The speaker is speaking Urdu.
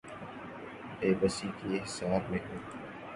بے بسی کے حصار میں ہوں۔